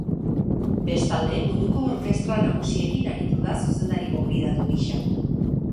Bestalde, munduko orkestra nagusiekin aritu da zuzendari gonbidatu gisa.